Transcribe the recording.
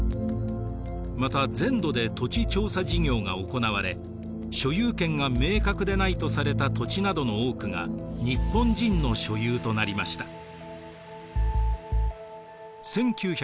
また全土で土地調査事業が行われ所有権が明確でないとされた土地などの多くが日本人の所有となりました。